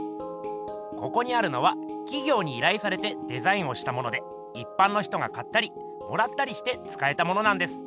ここにあるのはきぎょうにいらいされてデザインをしたものでいっぱんの人が買ったりもらったりしてつかえたものなんです。